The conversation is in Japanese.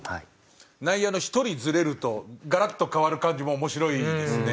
内野の１人ずれるとガラッと変わる感じも面白いですね。